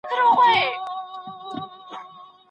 ماشومانو ته بدي خبري نه کېږي.